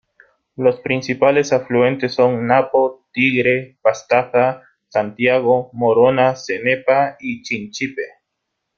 Los principales afluentes son Napo, Tigre, Pastaza, Santiago, Morona, Cenepa y Chinchipe.